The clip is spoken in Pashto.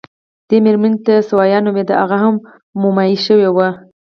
دې مېرمنې ته ثویا نومېده، هغه هم مومیايي شوې وه.